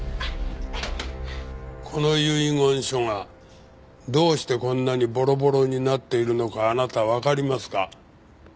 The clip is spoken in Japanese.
この遺言書がどうしてこんなにボロボロになっているのかあなたわかりますか？